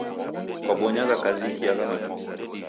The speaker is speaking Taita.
Kwabonyaa kaziki agha matuku?